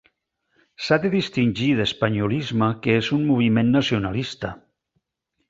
S'ha de distingir d'espanyolisme que és un moviment nacionalista.